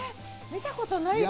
見たことない。